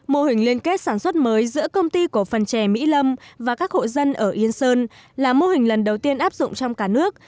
mô hình liên kết sản xuất mới giữa công ty cổ phần trè mỹ lâm và các hộ dân ở yên sơn là mô hình lần đầu tiên áp dụng trong cả nước